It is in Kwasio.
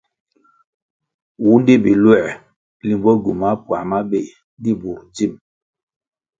Wundi biluer limbo gywumah puáh mabéh di bur dzim.